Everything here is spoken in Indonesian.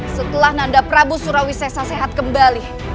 setelah nanda prabu surawisesa sehat kembali